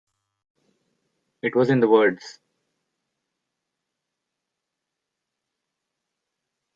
It was in the words.